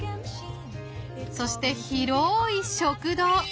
そして広い食堂。